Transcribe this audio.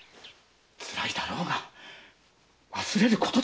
辛いだろうが忘れることだ。